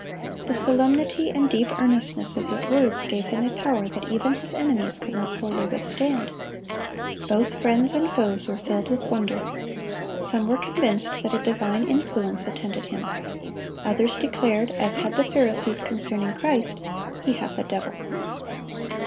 The solemnity and deep earnestness of his words gave him a power that even his enemies could not wholly withstand. Both friends and foes were filled with wonder. Some were convinced that a divine influence attended him; others declared, as had the Pharisees concerning Christ, "He hath a devil."